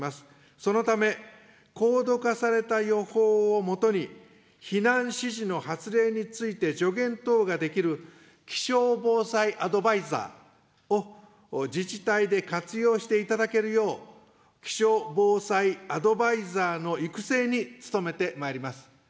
そのため、高度化された予報を基に、避難指示の発令について助言等ができる気象防災アドバイザーを、自治体で活用していただけるよう、気象防災アドバイザーの育成に努めてまいります。